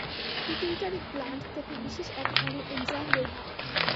Pituitary gland থেকে বিশেষ এক ধরনের এনজাইম বের হয়।